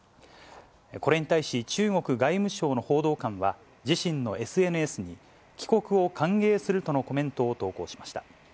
これに対し中国外務省の報道官は自身のＳＮＳに、帰国を歓迎するとのコメントを投稿しました。